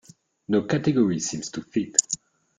No category seems to fit.